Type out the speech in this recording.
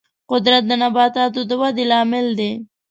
قدرت د نباتاتو د ودې لامل دی.